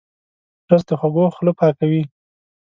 رس د خوږو خوله پاکوي